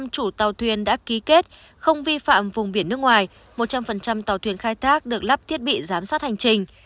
năm chủ tàu thuyền đã ký kết không vi phạm vùng biển nước ngoài một trăm linh tàu thuyền khai thác được lắp thiết bị giám sát hành trình